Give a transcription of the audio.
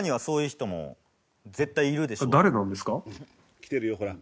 「来てるよほら」